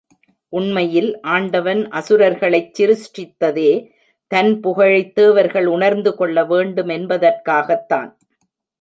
உண்மையில் ஆண்டவன் அசுரர்களைச் சிருஷ்டித்ததே, தன் புகழைத் தேவர்கள் உணர்ந்து கொள்ள வேண்டுமென்பதற்காகத்தான்.